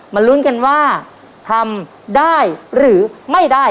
ลุ้นกันว่าทำได้หรือไม่ได้